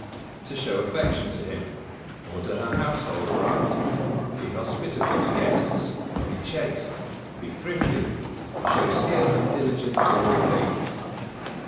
To show affection to him; order her household aright; be hospitable to guests; be chaste; be thrifty; show skill and diligence in all things.